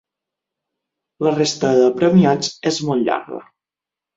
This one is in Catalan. La resta de premiats és molt llarga.